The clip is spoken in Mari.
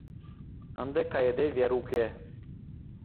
Ынде кайыде вер уке.